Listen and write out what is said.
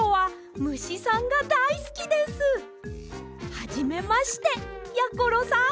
はじめましてやころさん。